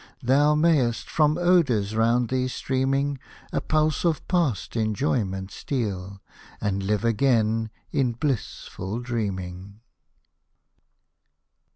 Thou may'st, from odours round thee streaming, A pulse of past enjoyment steal, And live again in blissful dreaming